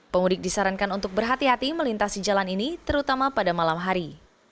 pemudik disarankan untuk berhati hati melintasi jalan ini terutama pada malam hari